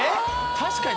確かに。